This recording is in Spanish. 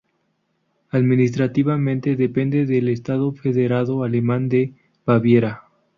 Administrativamente depende del Estado federado alemán de Baviera.